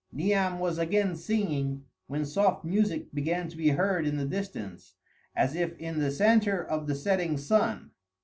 Niam was again singing, when soft music began to be heard in the distance, as if in the centre of the setting sun.